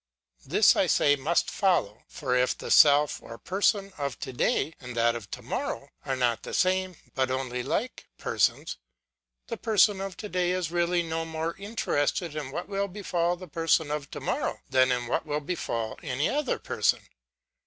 This, I say, must follow : for if the self or person of to day, and that of to morrow, are not the same, but only like persons ; the person of to day is really no more interested in what will befall the person of to morrow, than in what will befall any other person.